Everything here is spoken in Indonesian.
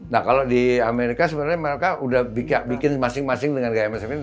nah kalau di amerika sebenarnya mereka udah bikin masing masing dengan gaya masing masing